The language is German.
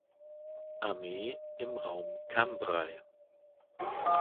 Armee im Raum Cambrai.